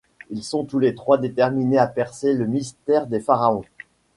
Ils sont tous les trois déterminés à percer le mystère des pharaons.